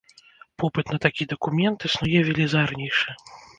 Попыт на такі дакумент існуе велізарнейшы.